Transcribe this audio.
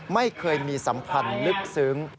ไม่เคยมีสำคัญลึกซึ้ง